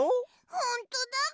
ほんとだぐ。